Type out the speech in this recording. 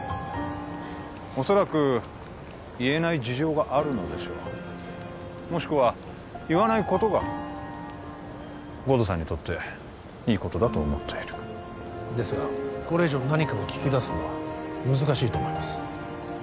恐らく言えない事情があるのでしょうもしくは言わないことが護道さんにとっていいことだと思っているですがこれ以上何かを聞きだすのは難しいと思います